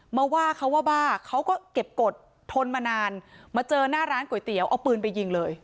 มาว่าเขาว่าบ้าเขาก็เก็บกฎทนมานานมาเจอหน้าร้านก๋วยเตี๋ยวเอาปืนไปยิงเลย